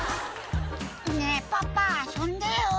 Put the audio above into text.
「ねぇパパ遊んでよ」